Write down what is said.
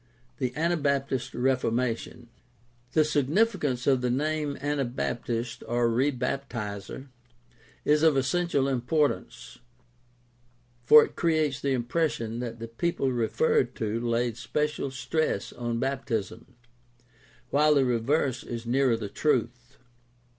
THE ANABAPTIST REFORMATION The significance of the name Anabaptist or Rebaptiser is of essential importance, for it creates the impression that the people referred to laid special stress on baptism, while the reverse is nearer the truth.